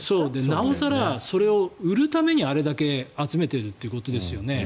なお更、あれを売るために集めてるということですよね。